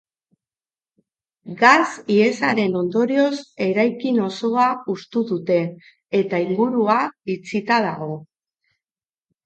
Gas ihesaren ondorioz, eraikin osoa hustu dute, eta ingurua itxita dago.